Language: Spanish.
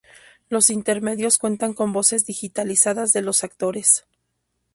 Los intermedios cuentan con voces digitalizadas de los actores.